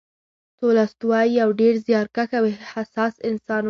تولستوی یو ډېر زیارکښ او حساس انسان و.